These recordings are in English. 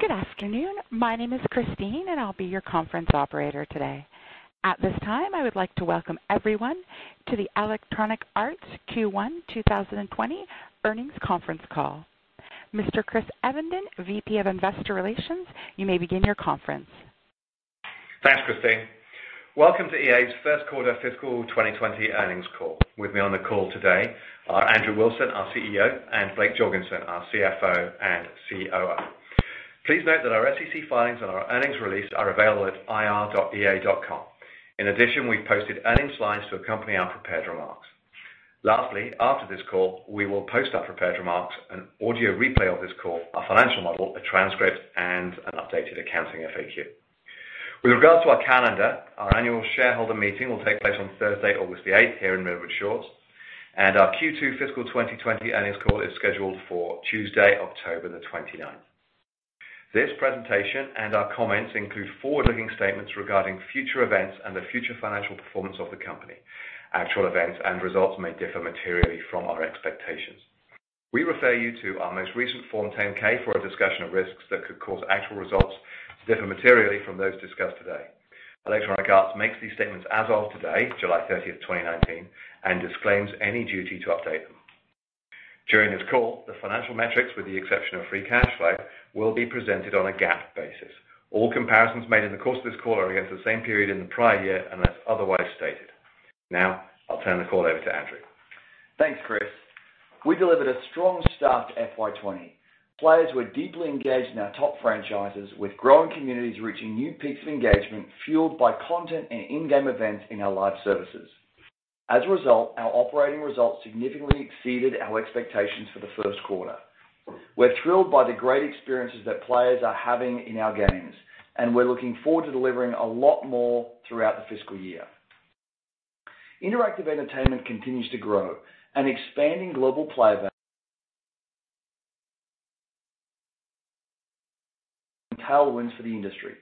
Good afternoon. My name is Christine, and I'll be your conference operator today. At this time, I would like to welcome everyone to the Electronic Arts Q1 2020 earnings conference call. Mr. Chris Evenden, VP of Investor Relations, you may begin your conference. Thanks, Christine. Welcome to EA's first quarter fiscal 2020 earnings call. With me on the call today are Andrew Wilson, our CEO, and Blake Jorgensen, our CFO and COO. Please note that our SEC filings and our earnings release are available at ir.ea.com. In addition, we've posted earnings slides to accompany our prepared remarks. Lastly, after this call, we will post our prepared remarks, an audio replay of this call, our financial model, a transcript, and an updated accounting FAQ. With regards to our calendar, our annual shareholder meeting will take place on Thursday, August the 8th here in Redwood Shores, and our Q2 fiscal 2020 earnings call is scheduled for Tuesday, October the 29th. This presentation and our comments include forward-looking statements regarding future events and the future financial performance of the company. Actual events and results may differ materially from our expectations. We refer you to our most recent Form 10-K for a discussion of risks that could cause actual results to differ materially from those discussed today. Electronic Arts makes these statements as of today, July 30th, 2019, and disclaims any duty to update them. During this call, the financial metrics, with the exception of free cash flow, will be presented on a GAAP basis. All comparisons made in the course of this call are against the same period in the prior year, unless otherwise stated. I'll turn the call over to Andrew. Thanks, Chris. We delivered a strong start to FY2020. Players were deeply engaged in our top franchises, with growing communities reaching new peaks of engagement fueled by content and in-game events in our live services. As a result, our operating results significantly exceeded our expectations for the first quarter. We're thrilled by the great experiences that players are having in our games, and we're looking forward to delivering a lot more throughout the fiscal year. Interactive entertainment continues to grow. An expanding global player base, tailwinds for the industry.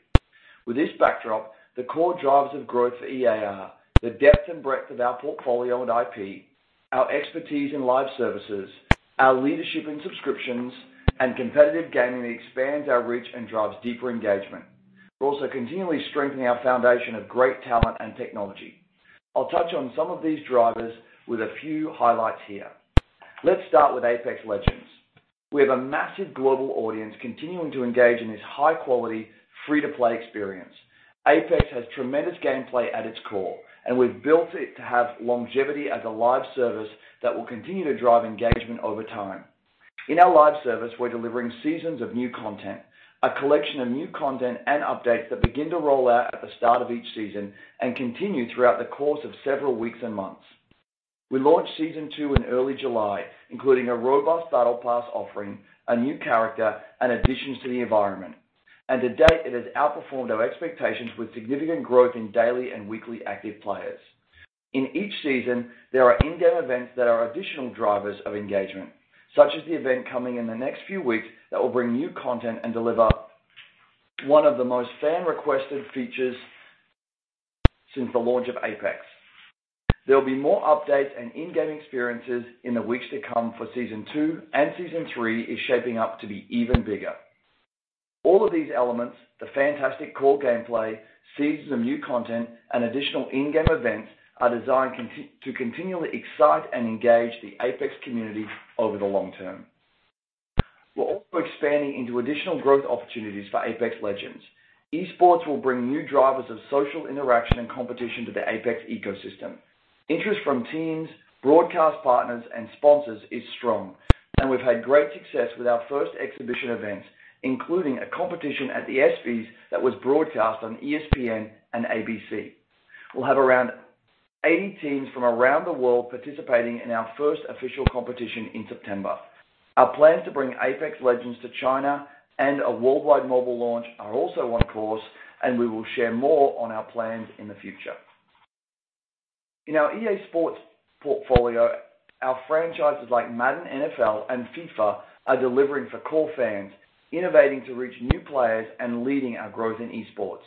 With this backdrop, the core drivers of growth for EA are the depth and breadth of our portfolio and IP, our expertise in live services, our leadership in subscriptions, and competitive gaming expands our reach and drives deeper engagement. We're also continually strengthening our foundation of great talent and technology. I'll touch on some of these drivers with a few highlights here. Let's start with Apex Legends. We have a massive global audience continuing to engage in this high-quality, free-to-play experience. Apex has tremendous gameplay at its core, and we've built it to have longevity as a live service that will continue to drive engagement over time. In our live service, we're delivering seasons of new content, a collection of new content and updates that begin to roll out at the start of each season and continue throughout the course of several weeks and months. We launched Season 2 in early July, including a robust Battle Pass offering, a new character, and additions to the environment. To date, it has outperformed our expectations with significant growth in daily and weekly active players. In each season, there are in-game events that are additional drivers of engagement, such as the event coming in the next few weeks that will bring new content and deliver one of the most fan-requested features since the launch of Apex. There will be more updates and in-game experiences in the weeks to come for Season 2, and Season 3 is shaping up to be even bigger. All of these elements, the fantastic core gameplay, seasons of new content, and additional in-game events, are designed to continually excite and engage the Apex community over the long term. We're also expanding into additional growth opportunities for Apex Legends. Esports will bring new drivers of social interaction and competition to the Apex ecosystem. Interest from teams, broadcast partners, and sponsors is strong, and we've had great success with our first exhibition events, including a competition at The ESPYs that was broadcast on ESPN and ABC. We'll have around 80 teams from around the world participating in our first official competition in September. Our plans to bring Apex Legends to China and a worldwide mobile launch are also on course, and we will share more on our plans in the future. In our EA Sports portfolio, our franchises like Madden NFL and FIFA are delivering for core fans, innovating to reach new players, and leading our growth in esports.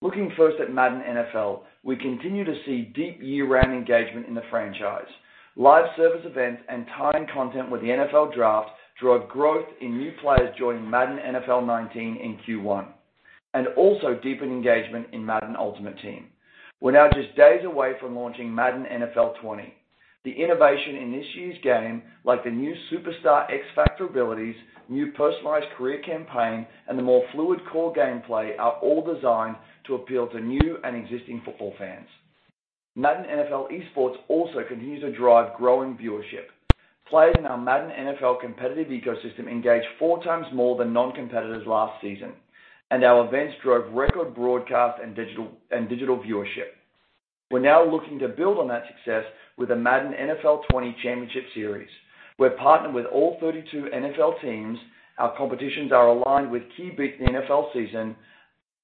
Looking first at Madden NFL, we continue to see deep year-round engagement in the franchise. Live service events and timed content with the NFL Draft drove growth in new players joining Madden NFL 19 in Q1, and also deepened engagement in Madden Ultimate Team. We're now just days away from launching Madden NFL 20. The innovation in this year's game, like the new Superstar X-Factor abilities, new personalized career campaign, and the more fluid core gameplay are all designed to appeal to new and existing football fans. Madden NFL Esports also continues to drive growing viewership. Players in our Madden NFL competitive ecosystem engaged four times more than non-competitors last season, and our events drove record broadcast and digital viewership. We're now looking to build on that success with the Madden NFL 20 championship series. We're partnered with all 32 NFL teams. Our competitions are aligned with key bits in the NFL season,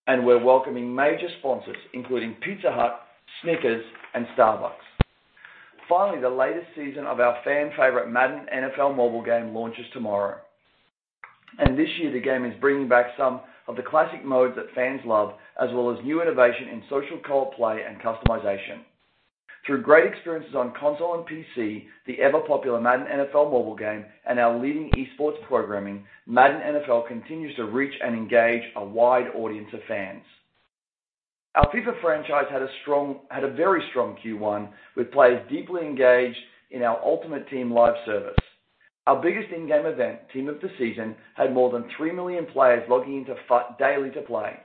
and we're welcoming major sponsors including Pizza Hut, Snickers, and Starbucks. Finally, the latest season of our fan favorite Madden NFL Mobile game launches tomorrow, and this year the game is bringing back some of the classic modes that fans love, as well as new innovation in social co-op play and customization. Through great experiences on console and PC, the ever-popular Madden NFL Mobile game and our leading esports programming, Madden NFL continues to reach and engage a wide audience of fans. Our FIFA franchise had a very strong Q1 with players deeply engaged in our Ultimate Team live service. Our biggest in-game event, Team of the Season, had more than 3 million players logging into FUT daily to play.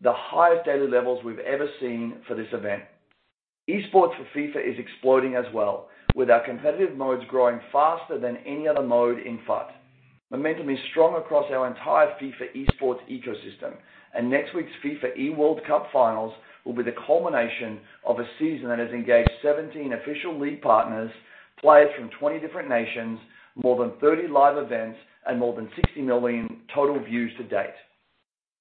The highest daily levels we've ever seen for this event. Esports for FIFA is exploding as well, with our competitive modes growing faster than any other mode in FUT. Momentum is strong across our entire FIFA esports ecosystem. Next week's FIFA eWorld Cup finals will be the culmination of a season that has engaged 17 official league partners, players from 20 different nations, more than 30 live events, and more than 60 million total views to date.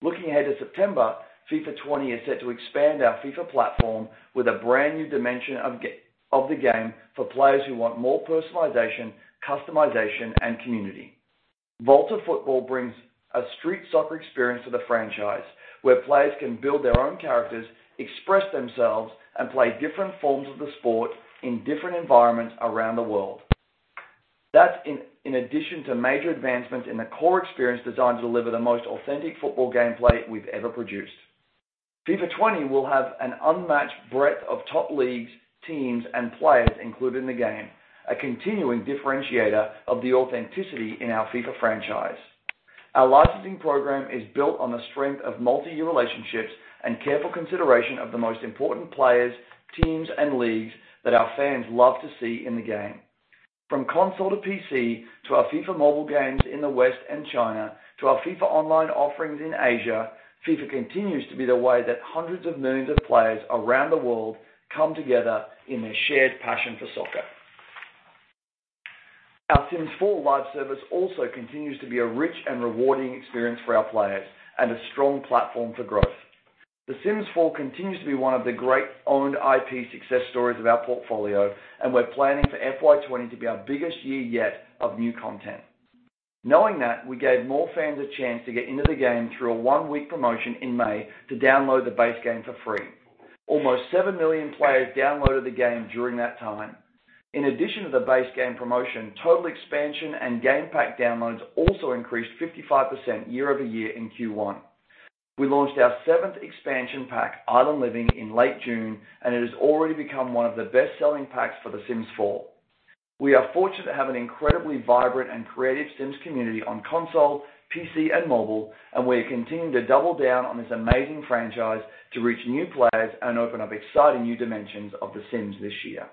Looking ahead to September, FIFA 20 is set to expand our FIFA platform with a brand-new dimension of the game for players who want more personalization, customization, and community. VOLTA Football brings a street football experience to the franchise, where players can build their own characters, express themselves, and play different forms of the sport in different environments around the world. That's in addition to major advancements in the core experience designed to deliver the most authentic football gameplay we've ever produced. FIFA 20 will have an unmatched breadth of top leagues, teams, and players included in the game, a continuing differentiator of the authenticity in our FIFA franchise. Our licensing program is built on the strength of multi-year relationships and careful consideration of the most important players, teams, and leagues that our fans love to see in the game. From console to PC, to our FIFA Mobile games in the West and China, to our FIFA Online offerings in Asia, FIFA continues to be the way that hundreds of millions of players around the world come together in their shared passion for soccer. Our Sims 4 live service also continues to be a rich and rewarding experience for our players and a strong platform for growth. The Sims 4 continues to be one of the great owned IP success stories of our portfolio, and we're planning for FY2020 to be our biggest year yet of new content. Knowing that, we gave more fans a chance to get into the game through a one-week promotion in May to download the base game for free. Almost seven million players downloaded the game during that time. In addition to the base game promotion, total expansion and game pack downloads also increased 55% year-over-year in Q1. We launched our seventh expansion pack, Island Living, in late June, and it has already become one of the best-selling packs for The Sims 4. We are fortunate to have an incredibly vibrant and creative Sims community on console, PC, and mobile, and we are continuing to double down on this amazing franchise to reach new players and open up exciting new dimensions of The Sims this year.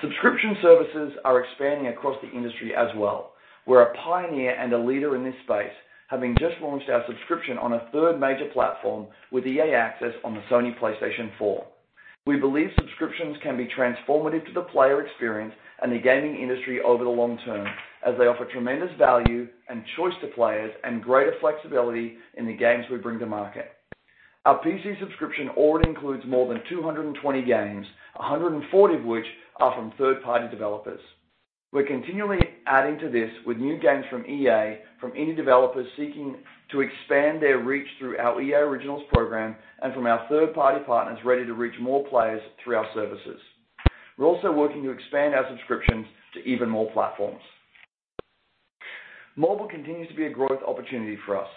Subscription services are expanding across the industry as well. We're a pioneer and a leader in this space, having just launched our subscription on a third major platform with EA Access on the Sony PlayStation 4. We believe subscriptions can be transformative to the player experience and the gaming industry over the long term as they offer tremendous value and choice to players and greater flexibility in the games we bring to market. Our PC subscription already includes more than 220 games, 140 of which are from third-party developers. We're continually adding to this with new games from EA, from any developers seeking to expand their reach through our EA Originals program, and from our third-party partners ready to reach more players through our services. We're also working to expand our subscriptions to even more platforms. Mobile continues to be a growth opportunity for us.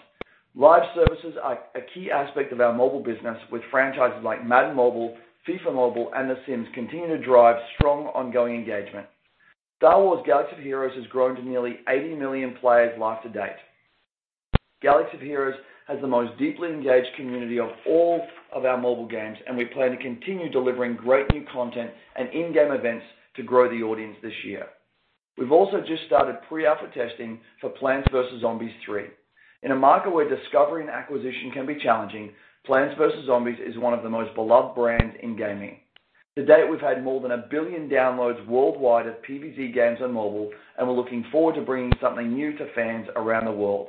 Live services are a key aspect of our mobile business, with franchises like Madden Mobile, FIFA Mobile, and The Sims continuing to drive strong ongoing engagement. Star Wars: Galaxy of Heroes has grown to nearly 80 million players life to date. Galaxy of Heroes has the most deeply engaged community of all of our mobile games, and we plan to continue delivering great new content and in-game events to grow the audience this year. We've also just started pre-alpha testing for Plants vs. Zombies 3. In a market where discovery and acquisition can be challenging, Plants vs. Zombies is one of the most beloved brands in gaming. To date, we've had more than a billion downloads worldwide of PvZ games on mobile, and we're looking forward to bringing something new to fans around the world.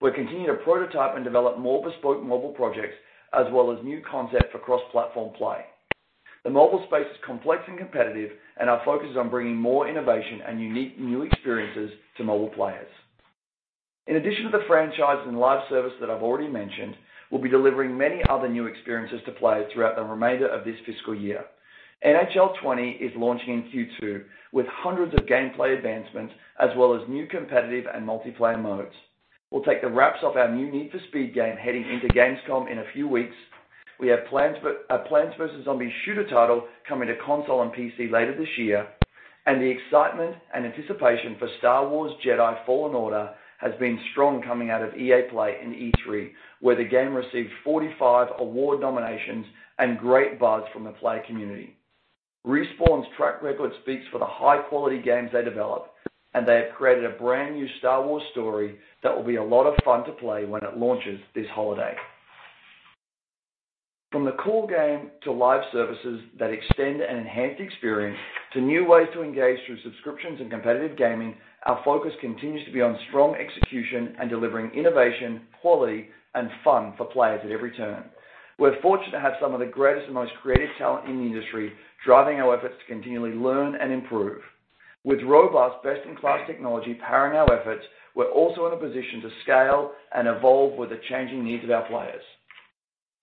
We're continuing to prototype and develop more bespoke mobile projects, as well as new concepts for cross-platform play. The mobile space is complex and competitive, and our focus is on bringing more innovation and unique new experiences to mobile players. In addition to the franchise and live service that I've already mentioned, we'll be delivering many other new experiences to players throughout the remainder of this fiscal year. NHL 20 is launching in Q2 with hundreds of gameplay advancements as well as new competitive and multiplayer modes. We'll take the wraps off our new Need for Speed game heading into gamescom in a few weeks. We have a Plants vs. Zombies shooter title coming to console and PC later this year, and the excitement and anticipation for Star Wars Jedi: Fallen Order has been strong coming out of EA Play and E3, where the game received 45 award nominations and great buzz from the player community. Respawn's track record speaks for the high-quality games they develop, and they have created a brand-new Star Wars story that will be a lot of fun to play when it launches this holiday. From the core game to live services that extend and enhance the experience to new ways to engage through subscriptions and competitive gaming, our focus continues to be on strong execution and delivering innovation, quality, and fun for players at every turn. We're fortunate to have some of the greatest and most creative talent in the industry driving our efforts to continually learn and improve. With robust best-in-class technology powering our efforts, we're also in a position to scale and evolve with the changing needs of our players.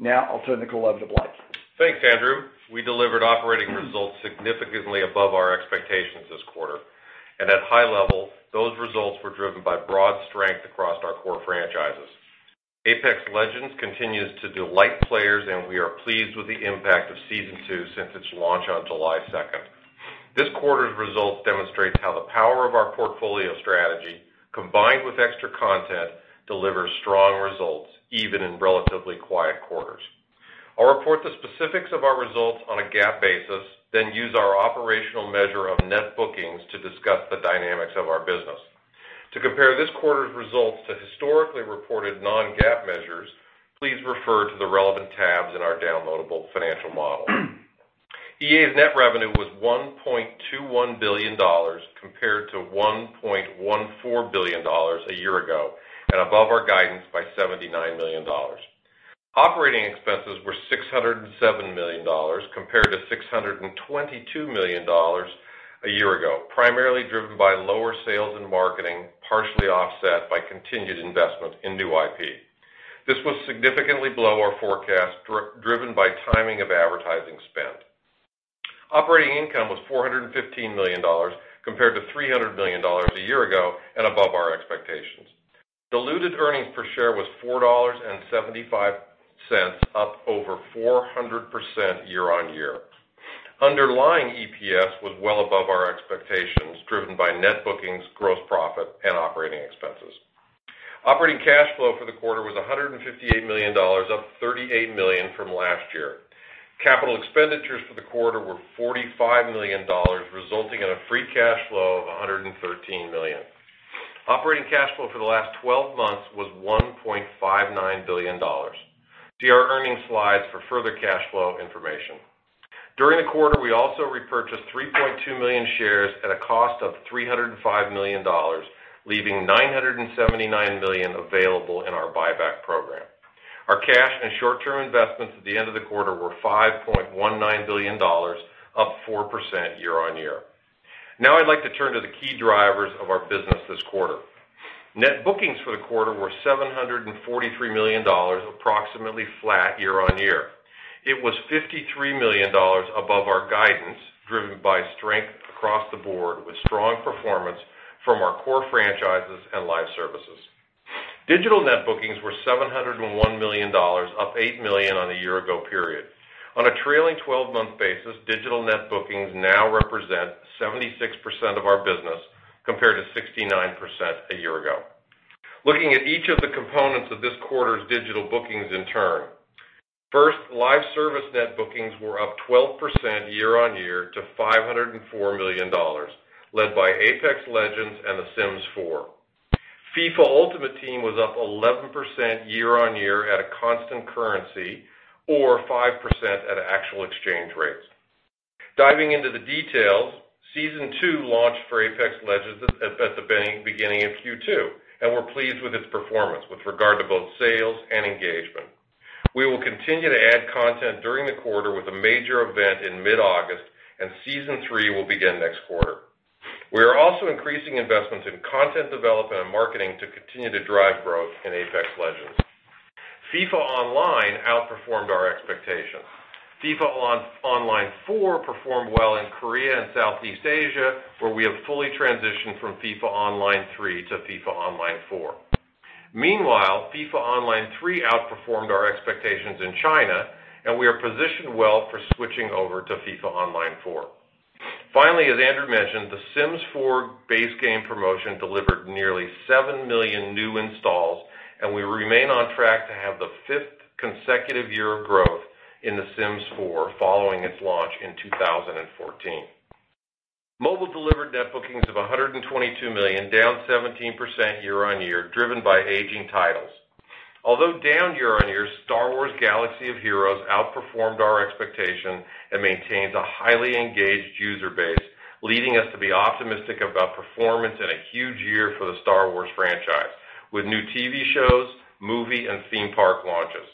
I'll turn the call over to Blake. Thanks, Andrew. We delivered operating results significantly above our expectations this quarter. At a high level, those results were driven by broad strength across our core franchises. Apex Legends continues to delight players, and we are pleased with the impact of Season Two since its launch on July 2nd. This quarter's results demonstrates how the power of our portfolio strategy, combined with extra content, delivers strong results even in relatively quiet quarters. I'll report the specifics of our results on a GAAP basis, then use our operational measure of net bookings to discuss the dynamics of our business. To compare this quarter's results to historically reported non-GAAP measures, please refer to the relevant tabs in our downloadable financial model. EA's net revenue was $1.21 billion compared to $1.14 billion a year ago, and above our guidance by $79 million. Operating expenses were $607 million compared to $622 million a year ago, primarily driven by lower sales and marketing, partially offset by continued investment in new IP. This was significantly below our forecast, driven by timing of advertising spend. Operating income was $415 million, compared to $300 million a year ago, and above our expectations. Diluted earnings per share was $4.75, up over 400% year-on-year. Underlying EPS was well above our expectations, driven by net bookings, gross profit, and operating expenses. Operating cash flow for the quarter was $158 million, up $38 million from last year. Capital expenditures for the quarter were $45 million, resulting in a free cash flow of $113 million. Operating cash flow for the last 12 months was $1.59 billion. See our earnings slides for further cash flow information. During the quarter, we also repurchased 3.2 million shares at a cost of $305 million, leaving $979 million available in our buyback program. Our cash and short-term investments at the end of the quarter were $5.19 billion, up 4% year-on-year. Now I'd like to turn to the key drivers of our business this quarter. Net bookings for the quarter were $743 million, approximately flat year-on-year. It was $53 million above our guidance, driven by strength across the board, with strong performance from our core franchises and live services. Digital net bookings were $701 million, up $8 million on the year-ago period. On a trailing 12-month basis, digital net bookings now represent 76% of our business, compared to 69% a year ago. Looking at each of the components of this quarter's digital bookings in turn. First, live service net bookings were up 12% year-on-year to $504 million, led by Apex Legends and The Sims 4. FIFA Ultimate Team was up 11% year-on-year at a constant currency, or 5% at actual exchange rates. Diving into the details, Season Two launched for Apex Legends at the beginning of Q2, and we're pleased with its performance with regard to both sales and engagement. We will continue to add content during the quarter with a major event in mid-August, and Season 3 will begin next quarter. We are also increasing investments in content development and marketing to continue to drive growth in Apex Legends. FIFA Online outperformed our expectations. FIFA Online 4 performed well in Korea and Southeast Asia, where we have fully transitioned from FIFA Online 3 to FIFA Online 4. Meanwhile, FIFA Online 3 outperformed our expectations in China, and we are positioned well for switching over to FIFA Online 4. Finally, as Andrew mentioned, The Sims 4 base game promotion delivered nearly seven million new installs, and we remain on track to have the fifth consecutive year of growth in The Sims 4 following its launch in 2014. Mobile delivered net bookings of $122 million, down 17% year-on-year, driven by aging titles. Although down year-on-year, Star Wars: Galaxy of Heroes outperformed our expectations and maintains a highly engaged user base, leaving us to be optimistic about performance and a huge year for the Star Wars franchise, with new TV shows, movie, and theme park launches.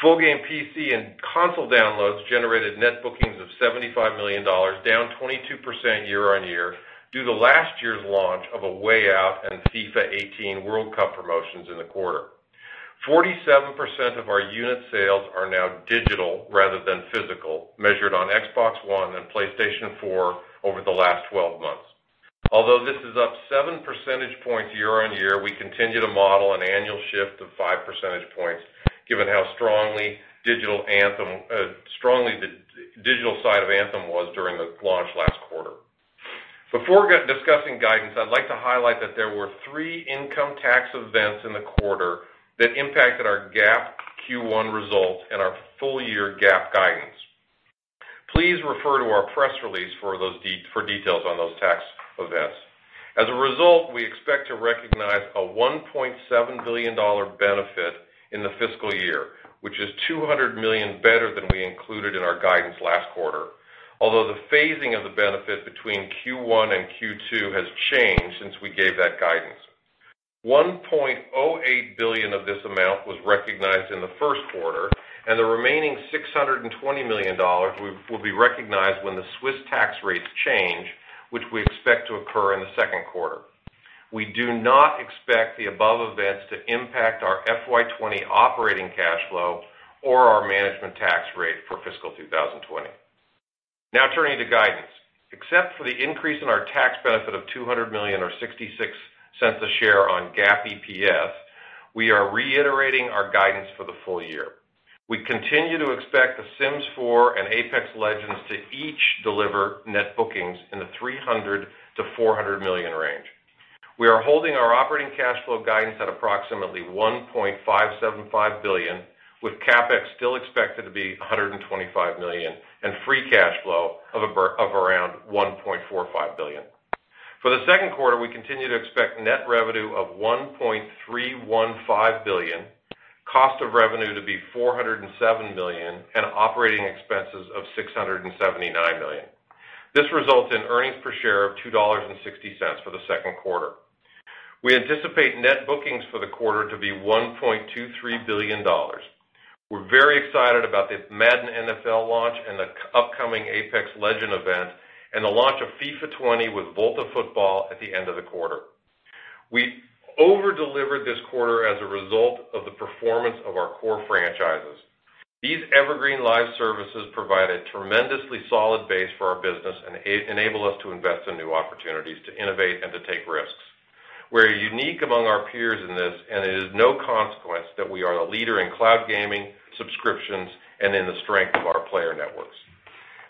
Full game PC and console downloads generated net bookings of $75 million, down 22% year-on-year due to last year's launch of A Way Out and FIFA 18 World Cup promotions in the quarter. 47% of our unit sales are now digital rather than physical, measured on Xbox One and PlayStation 4 over the last 12 months. Although this is up 7 percentage points year-on-year, we continue to model an annual shift of 5 percentage points given how strong the digital side of Anthem was during the launch last quarter. Before discussing guidance, I'd like to highlight that there were three income tax events in the quarter that impacted our GAAP Q1 results and our full-year GAAP guidance. Please refer to our press release for details on those tax events. As a result, we expect to recognize a $1.7 billion benefit in the fiscal year, which is $200 million better than we included in our guidance last quarter. Although the phasing of the benefit between Q1 and Q2 has changed since we gave that guidance. $1.08 billion of this amount was recognized in the first quarter, and the remaining $620 million will be recognized when the Swiss tax rates change, which we expect to occur in the second quarter. We do not expect the above events to impact our FY2020 operating cash flow or our management tax rate for fiscal 2020. Turning to guidance. Except for the increase in our tax benefit of $200 million or $0.66 a share on GAAP EPS, we are reiterating our guidance for the full-year. We continue to expect The Sims 4 and Apex Legends to each deliver net bookings in the $300 million-$400 million range. We are holding our operating cash flow guidance at approximately $1.575 billion, with CapEx still expected to be $125 million and free cash flow of around $1.45 billion. For the second quarter, we continue to expect net revenue of $1.315 billion, cost of revenue to be $407 million, and operating expenses of $679 million. This results in earnings per share of $2.60 for the second quarter. We anticipate net bookings for the quarter to be $1.23 billion. We're very excited about the Madden NFL launch and the upcoming Apex Legends event, and the launch of FIFA 20 with VOLTA Football at the end of the quarter. We over-delivered this quarter as a result of the performance of our core franchises. These evergreen live services provide a tremendously solid base for our business and enable us to invest in new opportunities to innovate and to take risks. We're unique among our peers in this, and it is no consequence that we are a leader in cloud gaming, subscriptions, and in the strength of our player networks.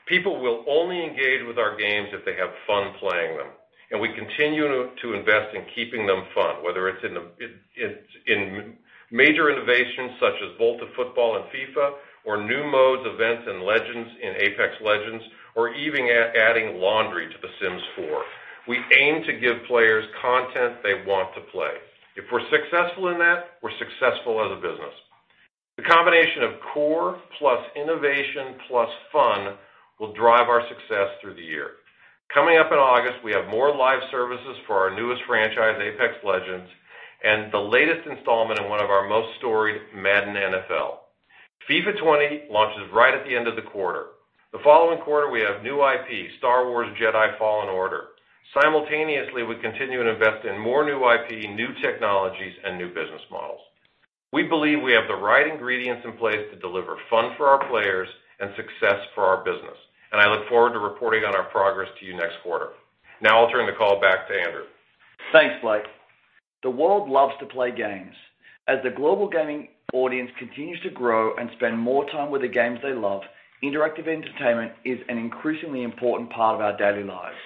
People will only engage with our games if they have fun playing them, and we continue to invest in keeping them fun, whether it's in major innovations such as VOLTA Football and FIFA, or new modes, events, and Legends in Apex Legends, or even adding laundry to The Sims 4. We aim to give players content they want to play. If we're successful in that, we're successful as a business. The combination of core plus innovation plus fun will drive our success through the year. Coming up in August, we have more live services for our newest franchise, Apex Legends, and the latest installment in one of our most storied, Madden NFL. FIFA 20 launches right at the end of the quarter. The following quarter, we have new IP, Star Wars Jedi: Fallen Order. Simultaneously, we continue to invest in more new IP, new technologies, and new business models. We believe we have the right ingredients in place to deliver fun for our players and success for our business. I look forward to reporting on our progress to you next quarter. Now I'll turn the call back to Andrew. Thanks, Blake. The world loves to play games. As the global gaming audience continues to grow and spend more time with the games they love, interactive entertainment is an increasingly important part of our daily lives.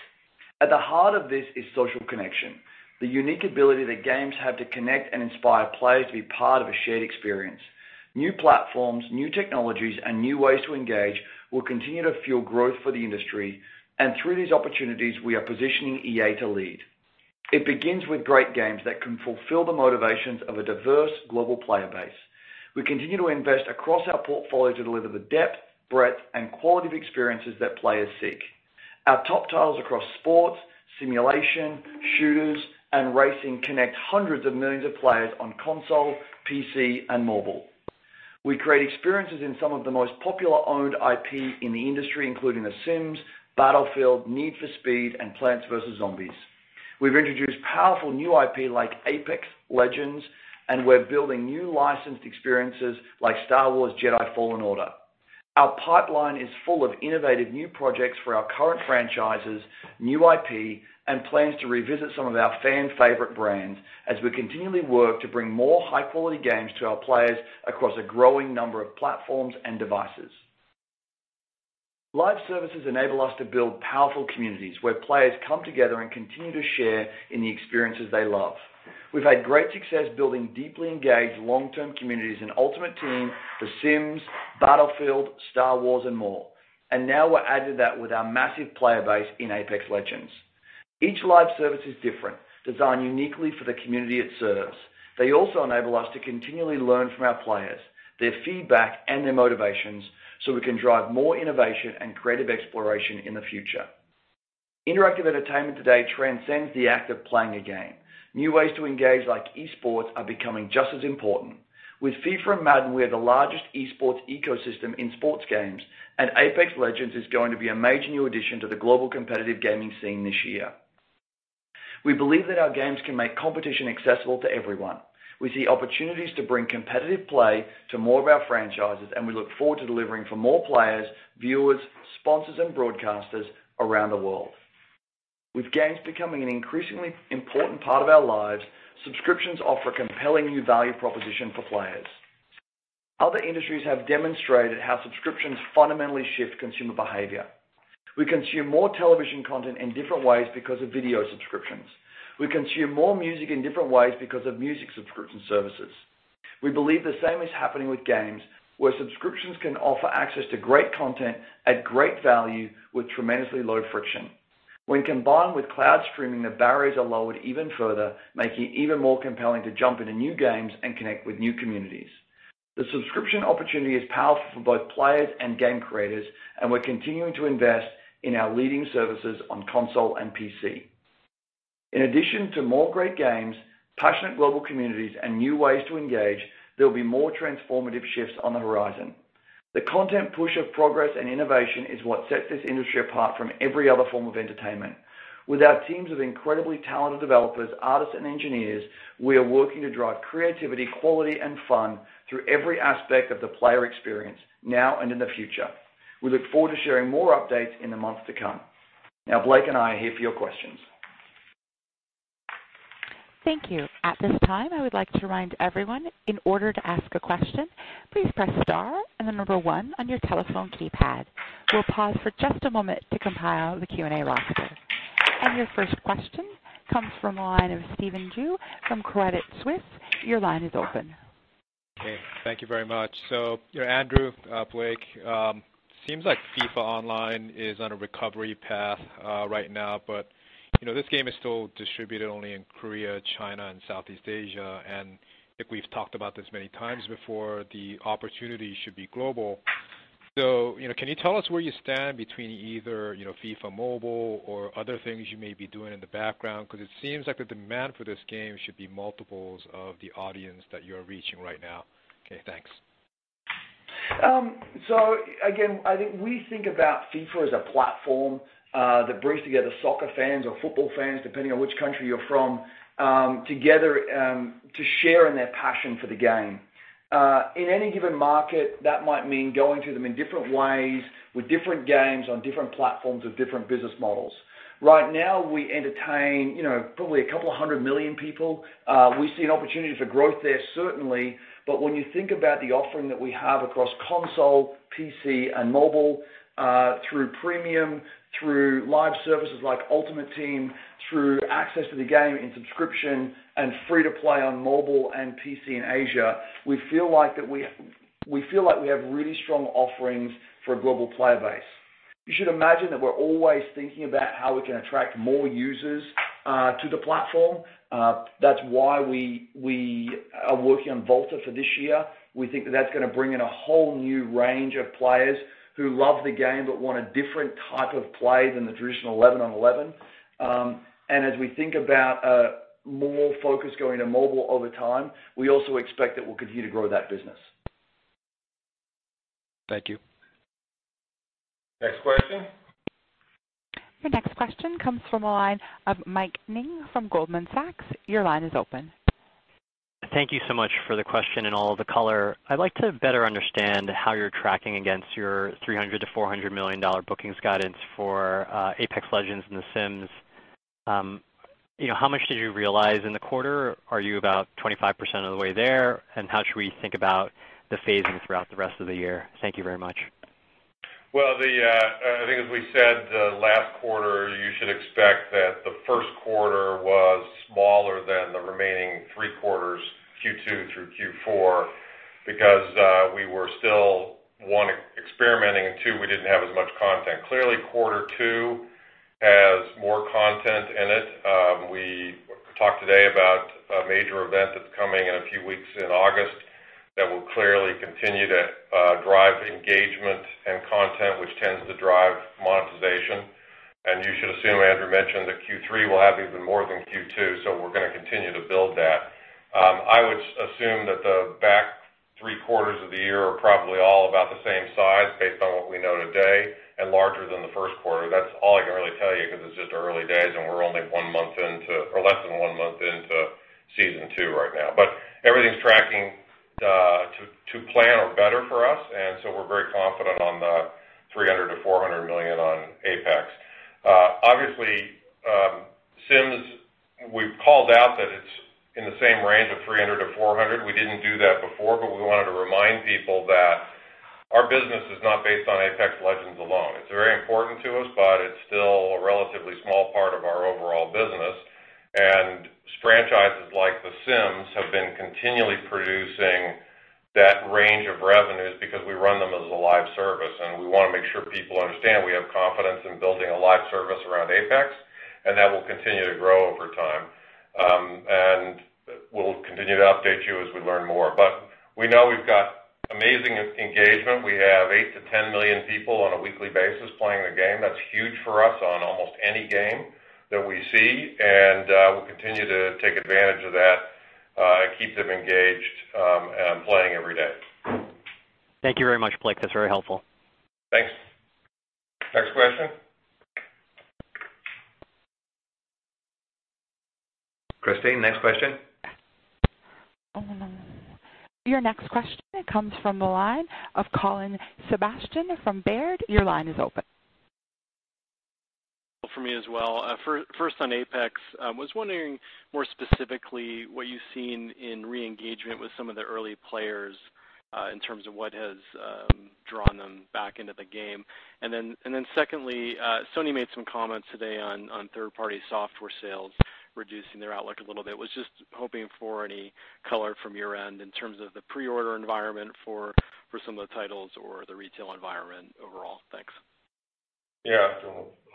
At the heart of this is social connection, the unique ability that games have to connect and inspire players to be part of a shared experience. New platforms, new technologies, and new ways to engage will continue to fuel growth for the industry. Through these opportunities, we are positioning EA to lead. It begins with great games that can fulfill the motivations of a diverse global player base. We continue to invest across our portfolio to deliver the depth, breadth, and quality of experiences that players seek. Our top titles across sports, simulation, shooters, and racing connect hundreds of millions of players on console, PC, and mobile. We create experiences in some of the most popular owned IP in the industry, including The Sims, Battlefield, Need for Speed, and Plants vs. Zombies. We've introduced powerful new IP like Apex Legends, and we're building new licensed experiences like Star Wars Jedi: Fallen Order. Our pipeline is full of innovative new projects for our current franchises, new IP, and plans to revisit some of our fan-favorite brands as we continually work to bring more high-quality games to our players across a growing number of platforms and devices. Live services enable us to build powerful communities where players come together and continue to share in the experiences they love. We've had great success building deeply engaged long-term communities in Ultimate Team, The Sims, Battlefield, Star Wars, and more. Now we've added that with our massive player base in Apex Legends. Each live service is different, designed uniquely for the community it serves. They also enable us to continually learn from our players, their feedback, and their motivations so we can drive more innovation and creative exploration in the future. Interactive entertainment today transcends the act of playing a game. New ways to engage, like esports, are becoming just as important. With FIFA and Madden, we are the largest esports ecosystem in sports games, and Apex Legends is going to be a major new addition to the global competitive gaming scene this year. We believe that our games can make competition accessible to everyone. We see opportunities to bring competitive play to more of our franchises, and we look forward to delivering for more players, viewers, sponsors, and broadcasters around the world. With games becoming an increasingly important part of our lives, subscriptions offer a compelling new value proposition for players. Other industries have demonstrated how subscriptions fundamentally shift consumer behavior. We consume more television content in different ways because of video subscriptions. We consume more music in different ways because of music subscription services. We believe the same is happening with games, where subscriptions can offer access to great content at great value with tremendously low friction. When combined with cloud streaming, the barriers are lowered even further, making it even more compelling to jump into new games and connect with new communities. The subscription opportunity is powerful for both players and game creators, and we're continuing to invest in our leading services on console and PC. In addition to more great games, passionate global communities, and new ways to engage, there will be more transformative shifts on the horizon. The content push of progress and innovation is what sets this industry apart from every other form of entertainment. With our teams of incredibly talented developers, artists, and engineers, we are working to drive creativity, quality, and fun through every aspect of the player experience now and in the future. We look forward to sharing more updates in the months to come. Blake and I are here for your questions. Thank you. At this time, I would like to remind everyone, in order to ask a question, please press star and the number one on your telephone keypad. We'll pause for just a moment to compile the Q&A roster. Your first question comes from the line of Stephen Ju from Credit Suisse. Your line is open. Okay. Thank you very much. Andrew, Blake, seems like FIFA Online is on a recovery path right now. This game is still distributed only in Korea, China, and Southeast Asia, and I think we've talked about this many times before, the opportunity should be global. Can you tell us where you stand between either FIFA Mobile or other things you may be doing in the background? Because it seems like the demand for this game should be multiples of the audience that you're reaching right now. Okay, thanks. I think we think about FIFA as a platform that brings together soccer fans or football fans, depending on which country you're from, together to share in their passion for the game. In any given market, that might mean going to them in different ways with different games on different platforms with different business models. Right now, we entertain probably a couple of hundred million people. We see an opportunity for growth there, certainly. When you think about the offering that we have across console, PC, and mobile through premium, through live services like Ultimate Team, through access to the game in subscription, and free to play on mobile and PC in Asia, we feel like we have really strong offerings for a global player base. You should imagine that we're always thinking about how we can attract more users to the platform. That's why we are working on VOLTA for this year. We think that that's going to bring in a whole new range of players who love the game but want a different type of play than the traditional 11 on 11. As we think about more focus going to mobile over time, we also expect that we'll continue to grow that business. Thank you. Next question. Your next question comes from the line of Mike Ng from Goldman Sachs. Your line is open. Thank you so much for the question and all of the color. I'd like to better understand how you're tracking against your $300 million-$400 million bookings guidance for Apex Legends and The Sims. How much did you realize in the quarter? Are you about 25% of the way there? How should we think about the phasing throughout the rest of the year? Thank you very much. Well, I think as we said last quarter, you should expect that the first quarter was smaller than the remaining three quarters, Q2 through Q4, because we were still, one, experimenting, and two, we didn't have as much content. Clearly, quarter two has more content in it. We talked today about a major event that's coming in a few weeks in August that will clearly continue to drive engagement and content, which tends to drive monetization. You should assume, Andrew mentioned that Q3 will have even more than Q2, so we're going to continue to build that. I would assume that the back three quarters of the year are probably all about the same size based on what we know today, and larger than the first quarter. That's all I can really tell you because it's just early days and we're only one month into or less than one month into season two right now. Everything's tracking to plan or better for us, so we're very confident on the $300 million-$400 million on Apex. Obviously, Sims, we've called out that it's in the same range of $300 million-$400 million. We didn't do that before, but we wanted to remind people that our business is not based on Apex Legends alone. It's very important to us, but it's still a relatively small part of our overall business. Franchises like The Sims have been continually producing that range of revenues because we run them as a live service, and we want to make sure people understand we have confidence in building a live service around Apex, and that will continue to grow over time. We'll continue to update you as we learn more. We know we've got amazing engagement. We have 8 to 10 million people on a weekly basis playing the game. That's huge for us on almost any game that we see, and we'll continue to take advantage of that and keep them engaged and playing every day. Thank you very much, Blake. That's very helpful. Thanks. Next question. Christine, next question. Your next question comes from the line of Colin Sebastian from Baird. Your line is open. For me as well. First on Apex. I was wondering more specifically what you've seen in re-engagement with some of the early players in terms of what has drawn them back into the game. Secondly, Sony made some comments today on third-party software sales reducing their outlook a little bit. I was just hoping for any color from your end in terms of the pre-order environment for some of the titles or the retail environment overall. Thanks. Yeah.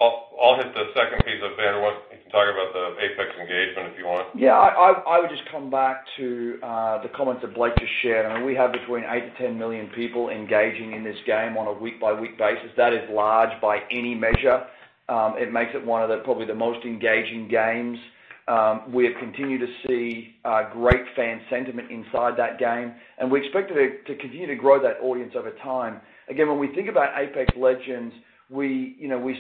I'll hit the second piece. You can talk about the Apex engagement if you want. Yeah, I would just come back to the comments that Blake just shared. We have between 8 to 10 million people engaging in this game on a week-by-week basis. That is large by any measure. It makes it one of probably the most engaging games. We have continued to see great fan sentiment inside that game, and we expect to continue to grow that audience over time. Again, when we think about Apex Legends, we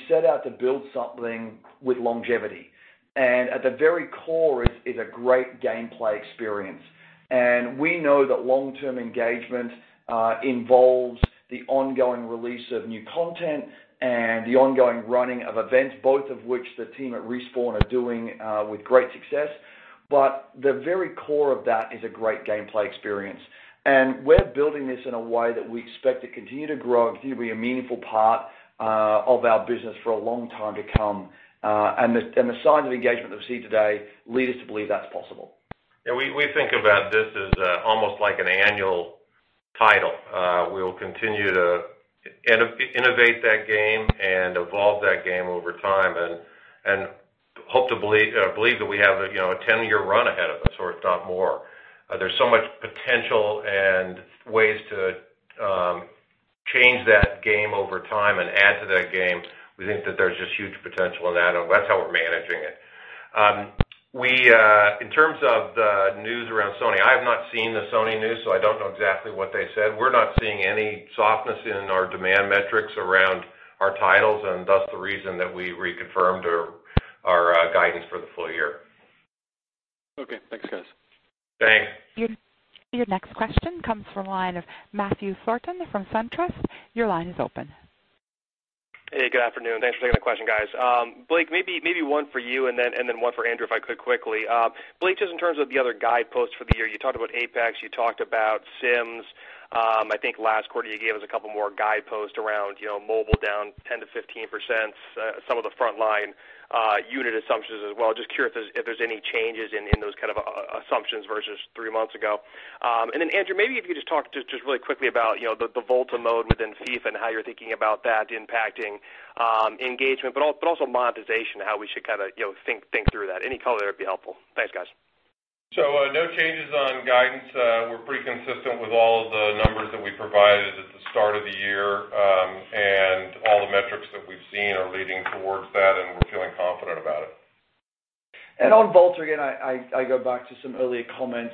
set out to build something with longevity. At the very core is a great gameplay experience. We know that long-term engagement involves the ongoing release of new content and the ongoing running of events, both of which the team at Respawn are doing with great success. The very core of that is a great gameplay experience. We're building this in a way that we expect to continue to grow and continue to be a meaningful part of our business for a long time to come. The signs of engagement that we see today lead us to believe that's possible. Yeah. We think about this as almost like an annual title. We will continue to innovate that game and evolve that game over time and hope to believe that we have a 10-year run ahead of us or more. There's so much potential and ways to change that game over time and add to that game. We think that there's just huge potential in that, and that's how we're managing it. In terms of the news around Sony, I have not seen the Sony news, so I don't know exactly what they said. We're not seeing any softness in our demand metrics around our titles, and thus the reason that we reconfirmed our guidance for the full-year. Okay, thanks, guys. Thanks. Your next question comes from the line of Matthew Thornton from SunTrust. Your line is open. Hey, good afternoon. Thanks for taking the question, guys. Blake, maybe one for you. Then one for Andrew, if I could quickly. Blake, just in terms of the other guideposts for the year, you talked about Apex, you talked about Sims. I think last quarter you gave us a couple more guideposts around mobile down 10%-15%, some of the frontline unit assumptions as well. Just curious if there's any changes in those kind of assumptions versus three months ago. Then Andrew, maybe if you could just talk just really quickly about the VOLTA mode within FIFA and how you're thinking about that impacting engagement, but also monetization, how we should think through that. Any color there would be helpful. Thanks, guys. No changes on guidance. We're pretty consistent with all of the numbers that we provided at the start of the year. All the metrics that we've seen are leading towards that, and we're feeling confident about it. On VOLTA, again, I go back to some earlier comments,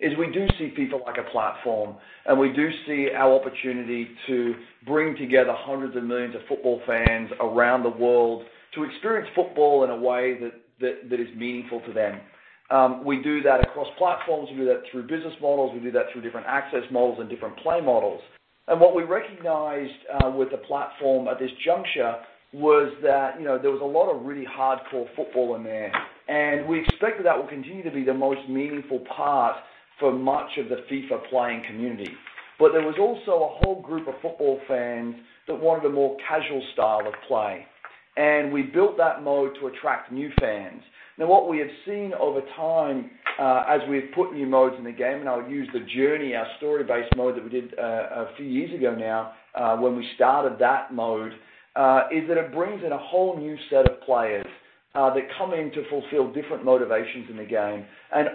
is we do see FIFA like a platform, and we do see our opportunity to bring together hundreds of millions of football fans around the world to experience football in a way that is meaningful to them. We do that across platforms. We do that through business models. We do that through different access models and different play models. What we recognized with the platform at this juncture was that there was a lot of really hardcore football in there, and we expect that will continue to be the most meaningful part for much of the FIFA playing community. There was also a whole group of football fans that wanted a more casual style of play, and we built that mode to attract new fans. Now what we have seen over time, as we've put new modes in the game, and I'll use The Journey, our story-based mode that we did a few years ago now, when we started that mode, is that it brings in a whole new set of players that come in to fulfill different motivations in the game.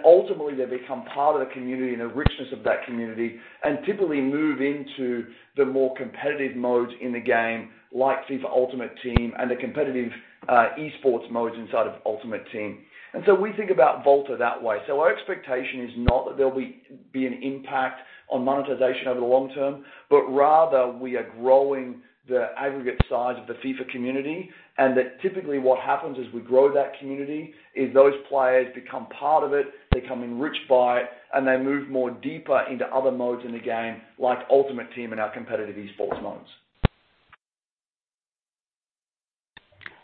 Ultimately, they become part of the community and the richness of that community and typically move into the more competitive modes in the game like FIFA Ultimate Team and the competitive esports modes inside of Ultimate Team. So we think about Volta that way. Our expectation is not that there'll be an impact on monetization over the long term, but rather we are growing the aggregate size of the FIFA community, and that typically what happens as we grow that community is those players become part of it, they become enriched by it, and they move more deeper into other modes in the game like Ultimate Team and our competitive esports modes.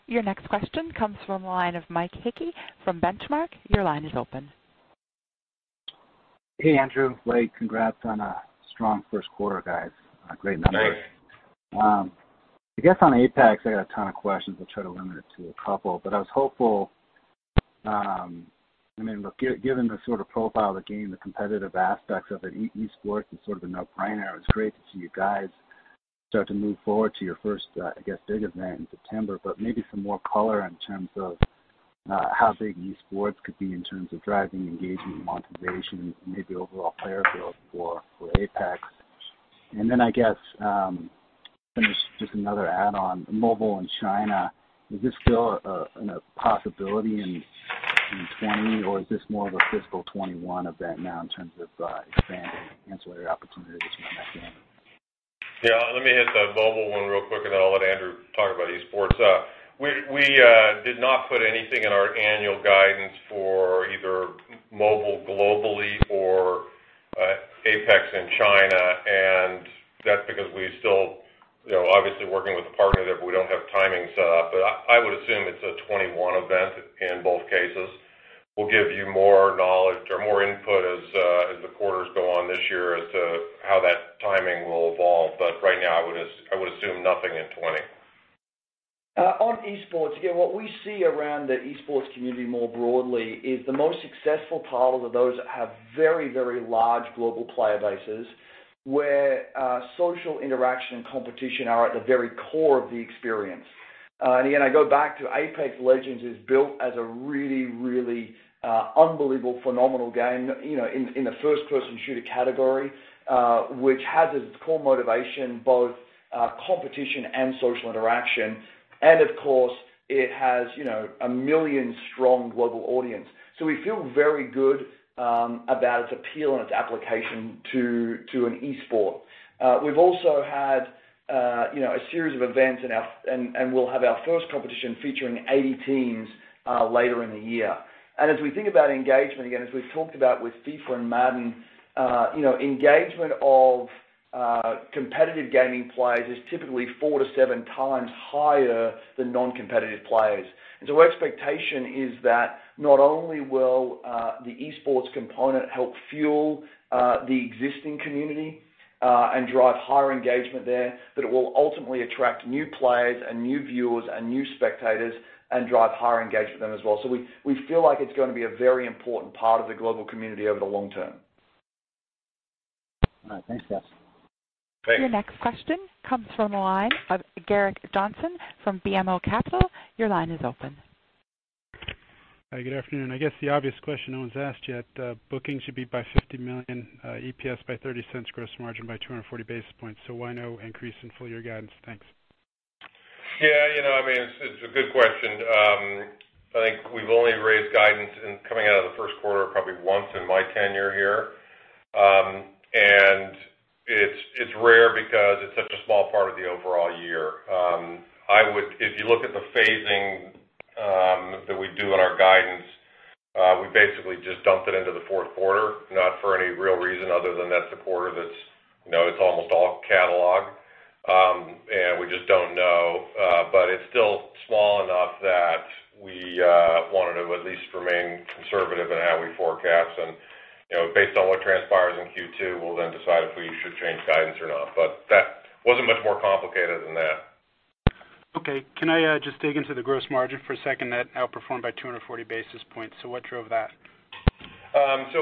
Your next question comes from the line of Mike Hickey from Benchmark. Your line is open. Hey, Andrew, Blake. Congrats on a strong first quarter, guys. Great numbers. Thanks. I guess on Apex, I got a ton of questions. I'll try to limit it to a couple. I was hopeful, given the sort of profile of the game, the competitive aspects of it, esports is sort of a no-brainer. It's great to see you guys start to move forward to your first, I guess, big event in September. Maybe some more color in terms of how big esports could be in terms of driving engagement and monetization and maybe overall player growth for Apex. I guess, just another add-on. Mobile in China, is this still a possibility in 2020, or is this more of a fiscal 2021 event now in terms of expanding ancillary opportunities around that game? Yeah, let me hit the mobile one real quick, and then I'll let Andrew talk about esports. We did not put anything in our annual guidance for either mobile globally or Apex in China, and that's because we're still obviously working with a partner there, but we don't have timing set up. I would assume it's a 2021 event in both cases. We'll give you more knowledge or more input as the quarters go on this year as to how that timing will evolve. Right now, I would assume nothing in 2020. On esports, again, what we see around the esports community more broadly is the most successful titles are those that have very large global player bases, where social interaction and competition are at the very core of the experience. Again, I go back to Apex Legends is built as a really unbelievable phenomenal game in the first-person shooter category which has as its core motivation, both competition and social interaction. Of course, it has a million-strong global audience. We feel very good about its appeal and its application to an esport. We've also had a series of events and we'll have our first competition featuring 80 teams later in the year. As we think about engagement, again, as we've talked about with FIFA and Madden, engagement of competitive gaming players is typically four to seven times higher than non-competitive players. Our expectation is that not only will the esports component help fuel the existing community, and drive higher engagement there, but it will ultimately attract new players and new viewers and new spectators and drive higher engagement with them as well. We feel like it's going to be a very important part of the global community over the long-term. All right. Thanks, guys. Okay. Your next question comes from the line of Gerrick Johnson from BMO Capital. Your line is open. Hi, good afternoon. I guess the obvious question no one's asked yet, bookings should be by $50 million, EPS by $0.30, gross margin by 240 basis points. Why no increase in full-year guidance? Thanks. Yeah. It's a good question. I think we've only raised guidance coming out of the first quarter probably once in my tenure here. It's rare because it's such a small part of the overall year. If you look at the phasing that we do in our guidance, we basically just dumped it into the fourth quarter, not for any real reason other than that's the quarter that's almost all catalog. We just don't know. It's still small enough that we wanted to at least remain conservative in how we forecast and, based on what transpires in Q2, we'll then decide if we should change guidance or not. That wasn't much more complicated than that. Okay. Can I just dig into the gross margin for a second? That outperformed by 240 basis points. What drove that?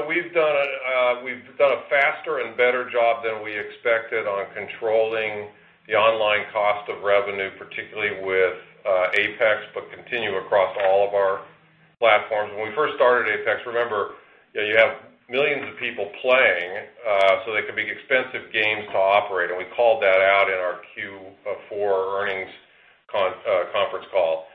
We've done a faster and better job than we expected on controlling the online cost of revenue, particularly with Apex, but continue across all of our platforms. When we first started Apex, remember, you have millions of people playing, so they could be expensive games to operate. We called that out in our Q4 earnings conference call.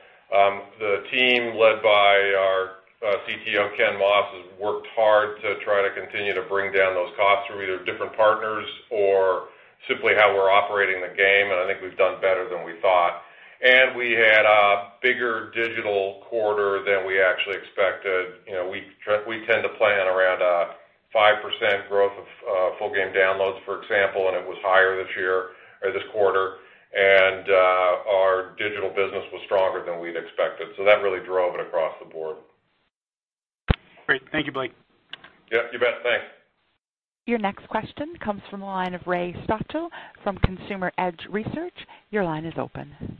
The team led by our CTO, Ken Moss, has worked hard to try to continue to bring down those costs through either different partners or simply how we're operating the game, and I think we've done better than we thought. We had a bigger digital quarter than we actually expected. We tend to plan around a 5% growth of full game downloads, for example, and it was higher this year or this quarter. Our digital business was stronger than we'd expected. That really drove it across the board. Great. Thank you, Blake. Yep, you bet. Thanks. Your next question comes from the line of Ray Stochel from Consumer Edge Research. Your line is open.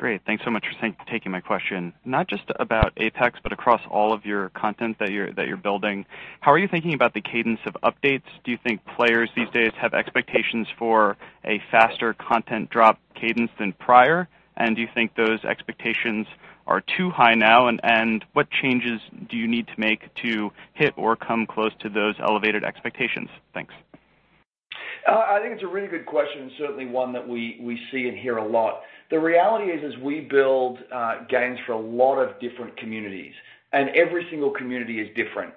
Great. Thanks so much for taking my question. Not just about Apex, but across all of your content that you're building, how are you thinking about the cadence of updates? Do you think players these days have expectations for a faster content drop cadence than prior? Do you think those expectations are too high now? What changes do you need to make to hit or come close to those elevated expectations? Thanks. I think it's a really good question, certainly one that we see and hear a lot. The reality is we build games for a lot of different communities, and every single community is different.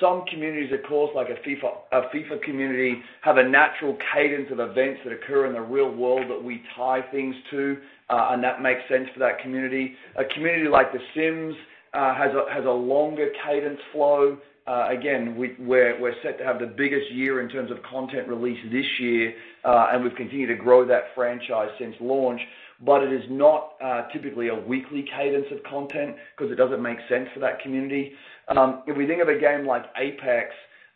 Some communities, of course, like a FIFA community, have a natural cadence of events that occur in the real world that we tie things to, and that makes sense for that community. A community like The Sims has a longer cadence flow. Again, we're set to have the biggest year in terms of content release this year. We've continued to grow that franchise since launch. It is not typically a weekly cadence of content because it doesn't make sense for that community. If we think of a game like Apex,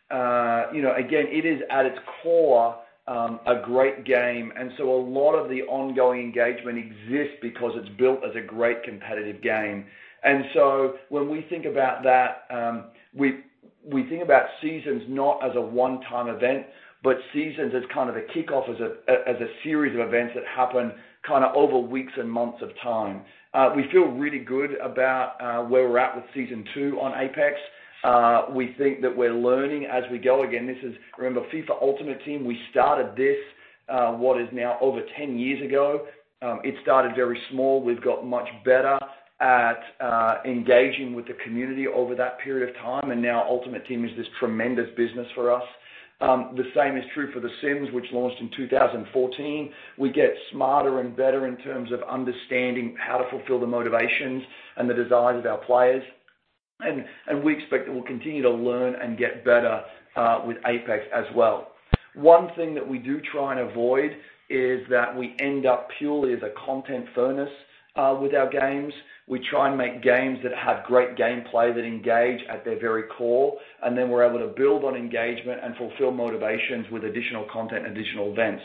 again, it is at its core, a great game. A lot of the ongoing engagement exists because it's built as a great competitive game. When we think about that, we think about seasons not as a one-time event, but seasons as kind of a kickoff as a series of events that happen kind of over weeks and months of time. We feel really good about where we're at with Season 2 on Apex. We think that we're learning as we go. Again, remember FIFA Ultimate Team, we started this what is now over 10 years ago. It started very small. We've got much better at engaging with the community over that period of time, and now Ultimate Team is this tremendous business for us. The same is true for The Sims, which launched in 2014. We get smarter and better in terms of understanding how to fulfill the motivations and the desires of our players. We expect that we'll continue to learn and get better with Apex as well. One thing that we do try and avoid is that we end up purely as a content furnace with our games. We try and make games that have great gameplay that engage at their very core, and then we're able to build on engagement and fulfill motivations with additional content, additional events.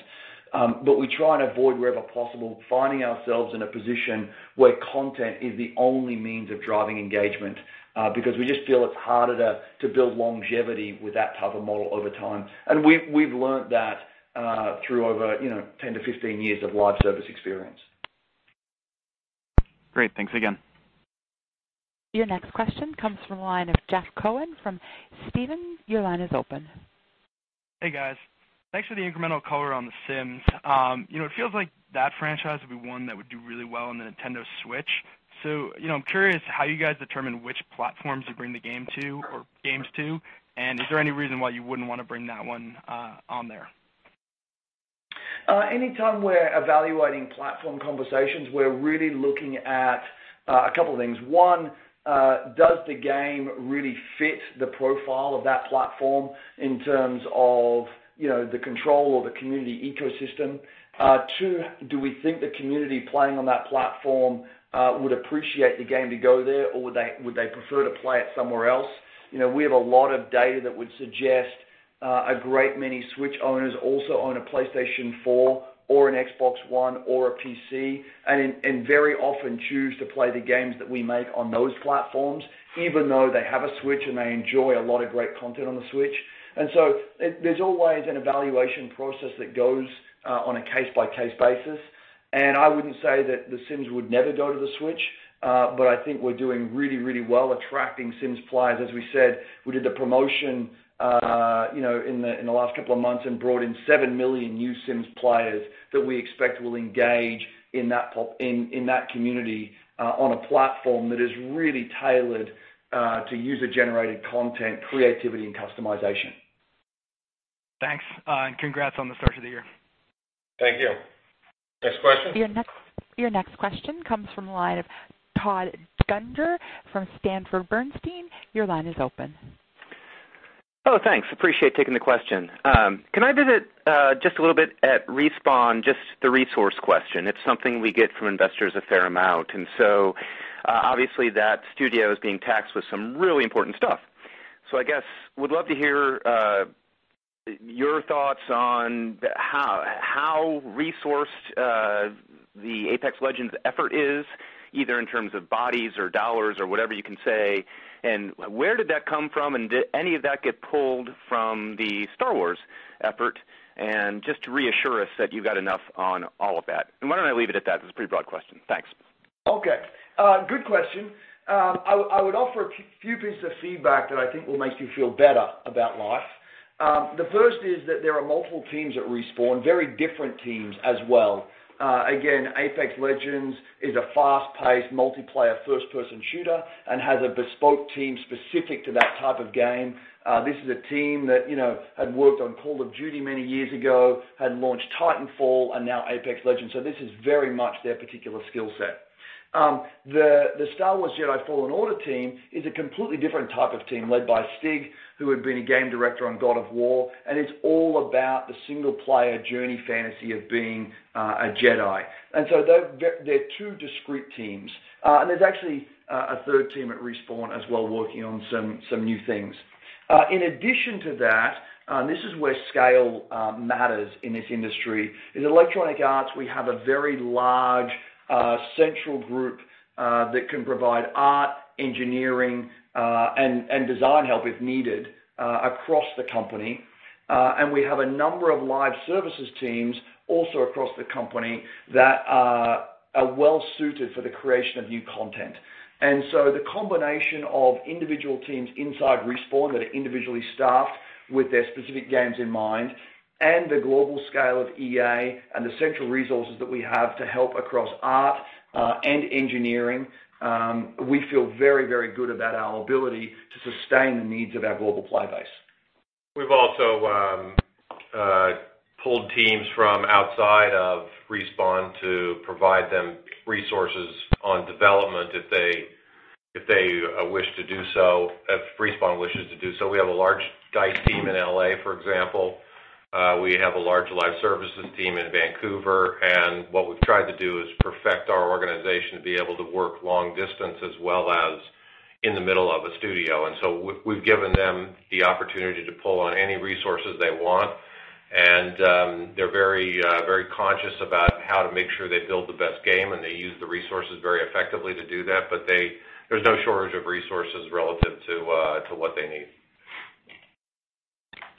We try and avoid wherever possible finding ourselves in a position where content is the only means of driving engagement, because we just feel it's harder to build longevity with that type of model over time. We've learned that through over 10-15 years of live service experience. Great. Thanks again. Your next question comes from the line of Jeff Cohen from Stephens. Your line is open. Hey, guys. Thanks for the incremental color on The Sims. It feels like that franchise would be one that would do really well on the Nintendo Switch. I'm curious how you guys determine which platforms you bring the games to, and is there any reason why you wouldn't want to bring that one on there? Anytime we're evaluating platform conversations, we're really looking at a couple of things. One, does the game really fit the profile of that platform in terms of the control or the community ecosystem? Two, do we think the community playing on that platform would appreciate the game to go there, or would they prefer to play it somewhere else? We have a lot of data that would suggest a great many Switch owners also own a PlayStation 4 or an Xbox One or a PC, and very often choose to play the games that we make on those platforms, even though they have a Switch and they enjoy a lot of great content on the Switch. There's always an evaluation process that goes on a case-by-case basis, and I wouldn't say that The Sims would never go to the Switch. I think we're doing really well attracting The Sims players. As we said, we did the promotion in the last couple of months and brought in 7 million new The Sims players that we expect will engage in that community on a platform that is really tailored to user-generated content, creativity, and customization. Thanks, and congrats on the start of the year. Thank you. Next question. Your next question comes from the line of Todd Juenger from Sanford Bernstein. Your line is open. Oh, thanks. Appreciate taking the question. Can I visit just a little bit at Respawn, just the resource question? It's something we get from investors a fair amount. Obviously, that studio is being tasked with some really important stuff. I guess would love to hear your thoughts on how resourced the Apex Legends effort is, either in terms of bodies or dollars or whatever you can say. Where did that come from, and did any of that get pulled from the Star Wars effort? Just to reassure us that you've got enough on all of that. Why don't I leave it at that? That's a pretty broad question. Thanks. Okay. Good question. I would offer a few pieces of feedback that I think will make you feel better about life. The first is that there are multiple teams at Respawn, very different teams as well. Apex Legends is a fast-paced, multiplayer, first-person shooter and has a bespoke team specific to that type of game. This is a team that had worked on Call of Duty many years ago, had launched Titanfall, and now Apex Legends. This is very much their particular skill set. The Star Wars Jedi: Fallen Order team is a completely different type of team led by Stig, who had been a game director on God of War, and it's all about the single-player journey fantasy of being a Jedi. They're two discrete teams. There's actually a third team at Respawn as well, working on some new things. In addition to that, this is where scale matters in this industry. In Electronic Arts, we have a very large central group that can provide art, engineering, and design help if needed across the company. We have a number of live services teams also across the company that are well-suited for the creation of new content. The combination of individual teams inside Respawn that are individually staffed with their specific games in mind and the global scale of EA and the central resources that we have to help across art and engineering, we feel very good about our ability to sustain the needs of our global player base. We've also pulled teams from outside of Respawn to provide them resources on development if Respawn wishes to do so. We have a large DICE team in L.A., for example. We have a large services team in Vancouver. What we've tried to do is perfect our organization to be able to work long distance as well as in the middle of a studio. We've given them the opportunity to pull on any resources they want, and they're very conscious about how to make sure they build the best game, and they use the resources very effectively to do that. There's no shortage of resources relative to what they need.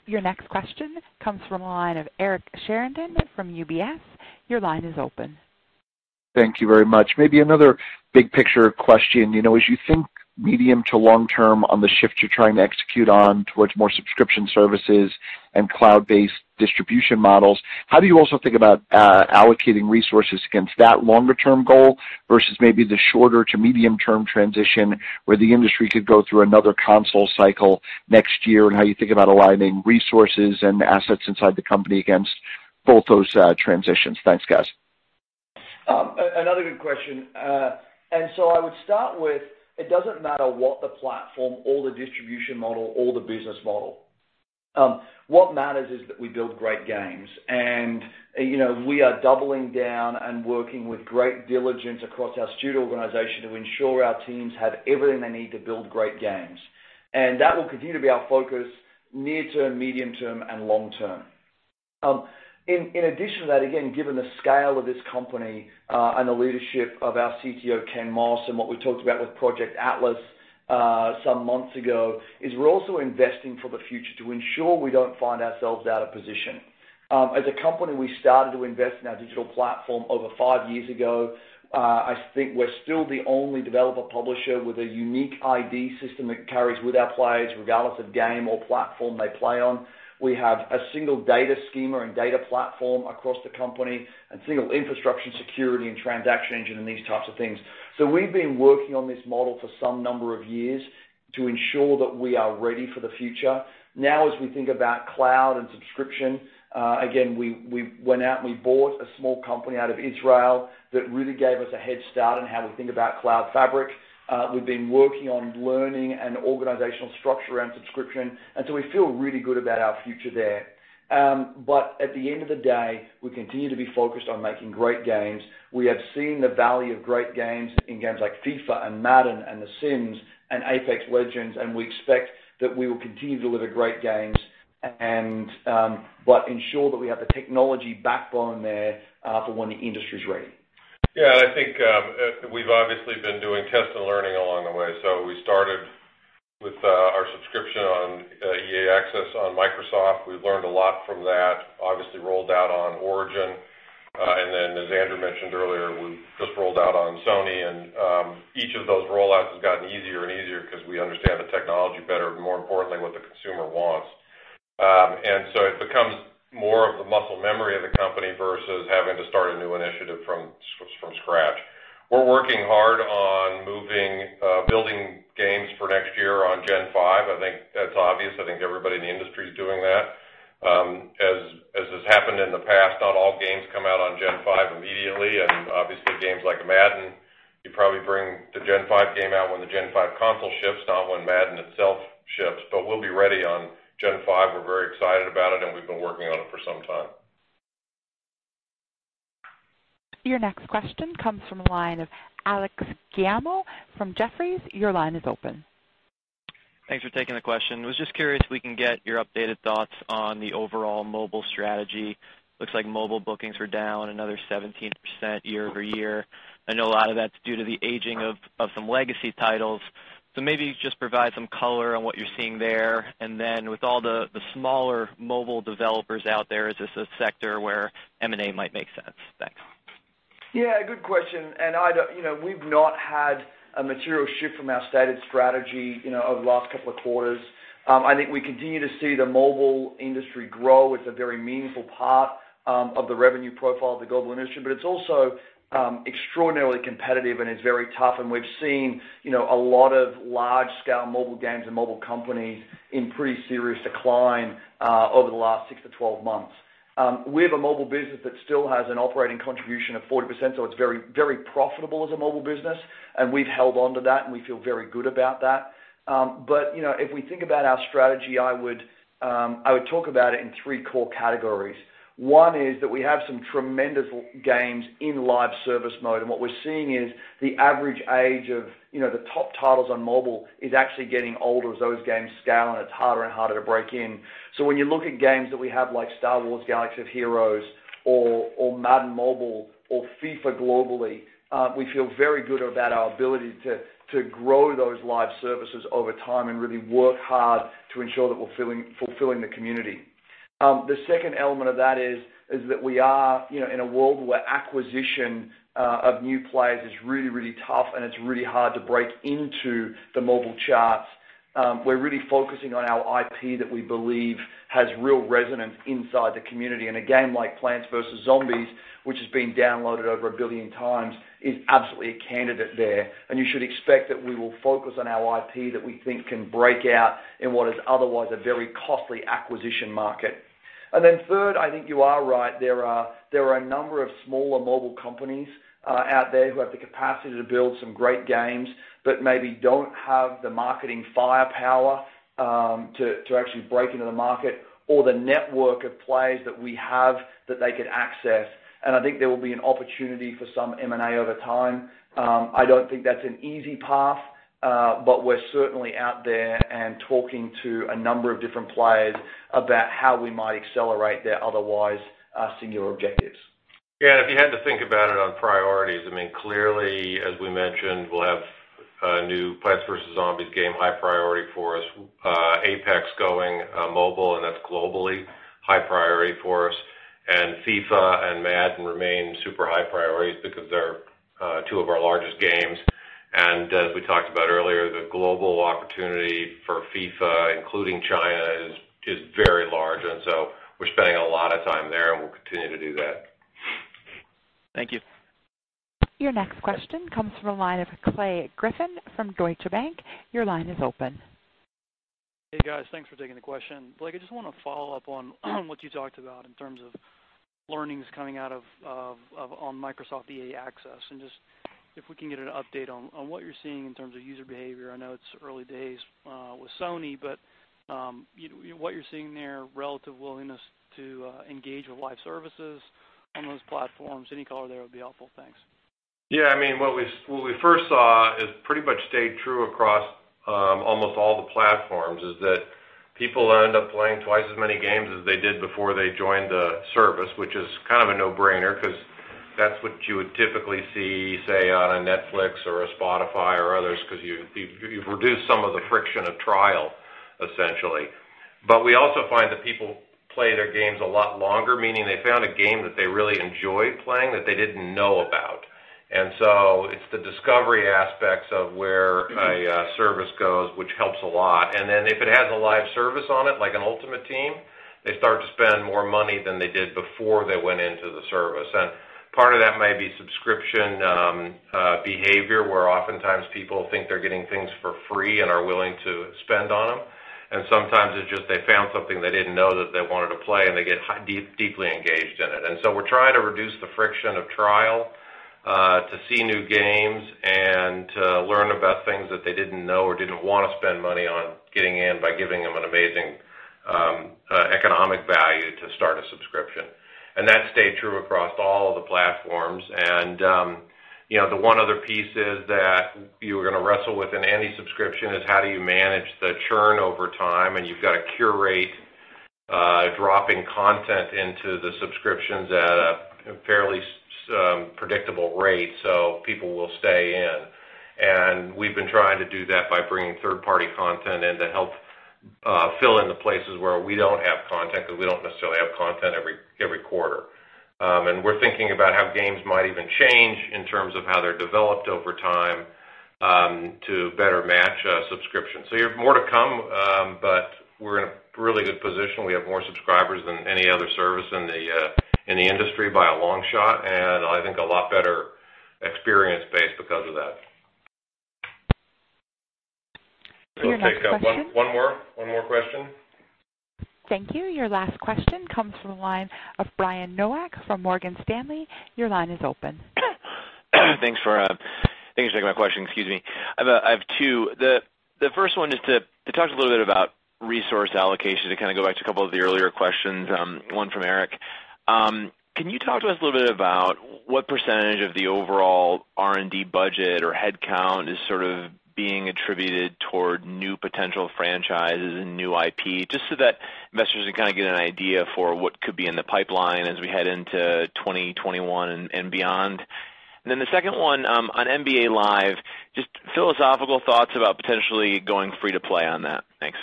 Your next question comes from the line of Eric Sheridan from UBS. Your line is open. Thank you very much. Maybe another big-picture question. As you think medium to long-term on the shift you're trying to execute on towards more subscription services and cloud-based distribution models, how do you also think about allocating resources against that longer-term goal versus maybe the shorter to medium-term transition where the industry could go through another console cycle next year, and how you think about aligning resources and assets inside the company against both those transitions. Thanks, guys. Another good question. I would start with, it doesn't matter what the platform or the distribution model or the business model. What matters is that we build great games. We are doubling down and working with great diligence across our studio organization to ensure our teams have everything they need to build great games. That will continue to be our focus near-term, medium-term, and long-term. In addition to that, again, given the scale of this company and the leadership of our CTO, Ken Moss, and what we talked about with Project Atlas some months ago, is we're also investing for the future to ensure we don't find ourselves out of position. As a company, we started to invest in our digital platform over five years ago. I think we're still the only developer-publisher with a unique ID system that carries with our players, regardless of game or platform they play on. We have a single data schema and data platform across the company and single infrastructure security and transaction engine and these types of things. We've been working on this model for some number of years to ensure that we are ready for the future. As we think about cloud and subscription, again, we went out and we bought a small company out of Israel that really gave us a head start on how we think about cloud fabric. We've been working on learning and organizational structure around subscription, we feel really good about our future there. At the end of the day, we continue to be focused on making great games. We have seen the value of great games in games like FIFA and Madden and The Sims and Apex Legends, and we expect that we will continue to deliver great games, but ensure that we have the technology backbone there for when the industry's ready. I think we've obviously been doing tests and learning along the way. We started with our subscription on EA Access on Microsoft. We've learned a lot from that, obviously rolled out on Origin. As Andrew mentioned earlier, we just rolled out on Sony and each of those rollouts has gotten easier and easier because we understand the technology better, and more importantly, what the consumer wants. It becomes more of the muscle memory of the company versus having to start a new initiative from scratch. We're working hard on building games for next year on Gen Five. I think that's obvious. I think everybody in the industry is doing that. As has happened in the past, not all games come out on Gen Five immediately. Obviously games like Madden, you probably bring the Gen Five game out when the Gen Five console ships, not when Madden itself ships. We'll be ready on Gen Five. We're very excited about it and we've been working on it for some time. Your next question comes from the line of Alex Giaimo from Jefferies. Your line is open. Thanks for taking the question. I was just curious if we can get your updated thoughts on the overall mobile strategy. Looks like mobile bookings were down another 17% year-over-year. I know a lot of that's due to the aging of some legacy titles. Maybe just provide some color on what you're seeing there. With all the smaller mobile developers out there, is this a sector where M&A might make sense? Thanks. Yeah, good question. We've not had a material shift from our stated strategy over the last couple of quarters. I think we continue to see the mobile industry grow. It's a very meaningful part of the revenue profile of the global industry, but it's also extraordinarily competitive and is very tough. We've seen a lot of large-scale mobile games and mobile companies in pretty serious decline over the last six to 12 months. We have a mobile business that still has an operating contribution of 40%, so it's very profitable as a mobile business, and we've held onto that, and we feel very good about that. If we think about our strategy, I would talk about it in three core categories. One is that we have some tremendous games in live service mode. What we're seeing is the average age of the top titles on mobile is actually getting older as those games scale and it's harder and harder to break in. When you look at games that we have like Star Wars: Galaxy of Heroes or Madden Mobile or FIFA globally, we feel very good about our ability to grow those live services over time and really work hard to ensure that we're fulfilling the community. The second element of that is that we are in a world where acquisition of new players is really, really tough, and it's really hard to break into the mobile charts. We're really focusing on our IP that we believe has real resonance inside the community. A game like Plants vs. Zombies, which has been downloaded over 1 billion times, is absolutely a candidate there. You should expect that we will focus on our IP that we think can break out in what is otherwise a very costly acquisition market. Third, I think you are right. There are a number of smaller mobile companies out there who have the capacity to build some great games, but maybe don't have the marketing firepower to actually break into the market or the network of players that we have that they could access. I think there will be an opportunity for some M&A over time. I don't think that's an easy path. We're certainly out there and talking to a number of different players about how we might accelerate their otherwise singular objectives. Yeah, if you had to think about it on priorities, clearly, as we mentioned, we'll have a new Plants vs. Zombies game high priority for us, Apex going mobile, and that's globally high priority for us. FIFA and Madden remain super high priorities because they're two of our largest games. As we talked about earlier, the global opportunity for FIFA, including China, is very large, so we're spending a lot of time there, and we'll continue to do that. Thank you. Your next question comes from the line of Clay Griffin from Deutsche Bank. Your line is open. Hey, guys. Thanks for taking the question. Blake, I just want to follow up on what you talked about in terms of learnings coming out on Microsoft EA Access, just if we can get an update on what you're seeing in terms of user behavior. I know it's early days with Sony, what you're seeing there relative willingness to engage with live services on those platforms. Any color there would be helpful. Thanks. Yeah. What we first saw has pretty much stayed true across almost all the platforms, is that people end up playing twice as many games as they did before they joined the service, which is kind of a no-brainer because that's what you would typically see, say, on a Netflix or a Spotify or others, because you've reduced some of the friction of trial, essentially. We also find that people play their games a lot longer, meaning they found a game that they really enjoy playing that they didn't know about. It's the discovery aspects of where a service goes, which helps a lot. If it has a live service on it, like an Ultimate Team, they start to spend more money than they did before they went into the service. Part of that may be subscription behavior, where oftentimes people think they're getting things for free and are willing to spend on them. Sometimes it's just they found something they didn't know that they wanted to play, and they get deeply engaged in it. We're trying to reduce the friction of trial to see new games and to learn about things that they didn't know or didn't want to spend money on getting in by giving them an amazing economic value to start a subscription. That stayed true across all of the platforms. The one other piece is that you are going to wrestle with any subscription is how do you manage the churn over time? You've got to curate dropping content into the subscriptions at a fairly predictable rate so people will stay in. We've been trying to do that by bringing third-party content in to help fill in the places where we don't have content, because we don't necessarily have content every quarter. We're thinking about how games might even change in terms of how they're developed over time to better match a subscription. You have more to come, but we're in a really good position. We have more subscribers than any other service in the industry by a long shot, and I think a lot better experience base because of that. Your next question. We'll take one more question. Thank you. Your last question comes from the line of Brian Nowak from Morgan Stanley. Your line is open. Thanks for taking my question. Excuse me. I have two. The first one is to talk a little bit about resource allocation, to kind of go back to a couple of the earlier questions, one from Eric. Can you talk to us a little bit about what percentage of the overall R&D budget or head count is sort of being attributed toward new potential franchises and new IP, just so that investors can kind of get an idea for what could be in the pipeline as we head into 2021 and beyond? The second one on NBA Live, just philosophical thoughts about potentially going free to play on that. Thanks.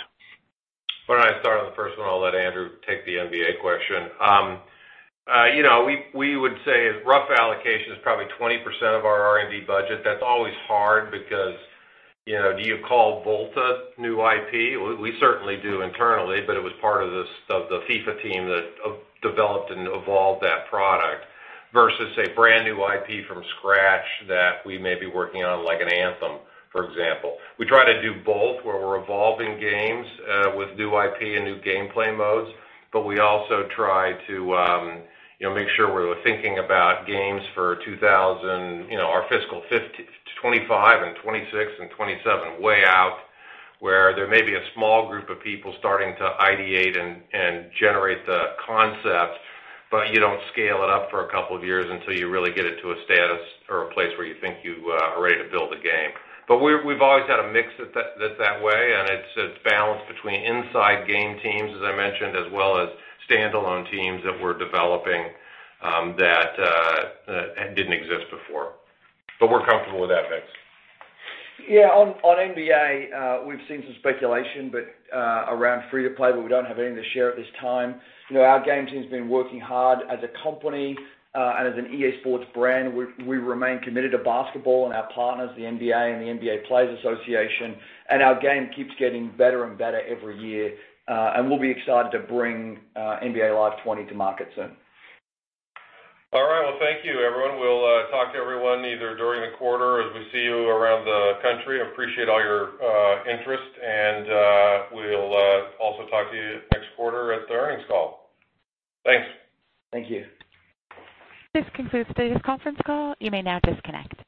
Why don't I start on the first one? I'll let Andrew take the NBA question. We would say a rough allocation is probably 20% of our R&D budget. That's always hard because do you call VOLTA new IP? We certainly do internally, but it was part of the FIFA team that developed and evolved that product versus a brand new IP from scratch that we may be working on, like an Anthem, for example. We try to do both, where we're evolving games with new IP and new gameplay modes. We also try to make sure we're thinking about games for our fiscal 2025 and 2026 and 2027, way out where there may be a small group of people starting to ideate and generate the concept, but you don't scale it up for a couple of years until you really get it to a status or a place where you think you are ready to build a game. We've always had a mix it that way, and it's a balance between inside game teams, as I mentioned, as well as standalone teams that we're developing that didn't exist before. We're comfortable with that mix. Yeah. On NBA, we've seen some speculation around free to play, we don't have anything to share at this time. Our game team's been working hard as a company and as an EA Sports brand. We remain committed to basketball and our partners, the NBA and the NBA Players Association, our game keeps getting better and better every year. We'll be excited to bring NBA Live 20 to market soon. All right. Well, thank you, everyone. We'll talk to everyone either during the quarter as we see you around the country. I appreciate all your interest, and we'll also talk to you next quarter at the earnings call. Thanks. Thank you. This concludes today's conference call. You may now disconnect.